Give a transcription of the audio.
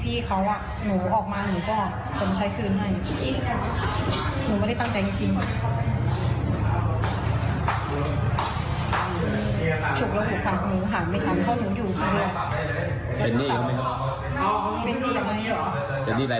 ฉุกละหหุดของจะหนีมาปลอดภัย